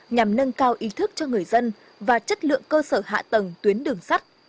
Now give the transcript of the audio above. nhằm nâng cao ý thức cho người dân và chất lượng cơ sở hạ tầng tuyến đường sắt